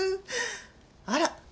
あら？